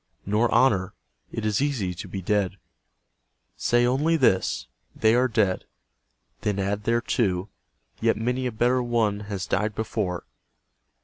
Nor honour. It is easy to be dead. Say only this, " They are dead." Then add thereto, " Yet many a better one has died before."